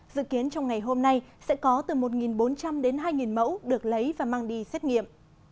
dự kiến trong ngày hôm nay sẽ có từ một bốn trăm linh đến hai mẫu được lấy và mang đi xét nghiệm